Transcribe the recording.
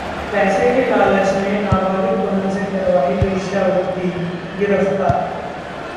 पैसे के लालच में नाबालिग बहन से करवाई वेश्यावृत्ति, गिरफ्तार